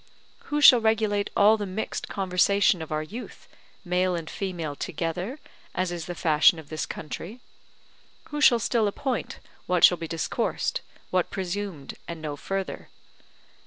Who shall regulate all the mixed conversation of our youth, male and female together, as is the fashion of this country? Who shall still appoint what shall be discoursed, what presumed, and no further?